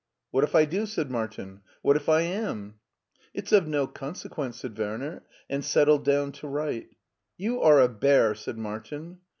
" What if I do? " said Martin; " what if I am? "" It's of no consequence," said Werner, and settled down to write. " You are a bear," said Martin.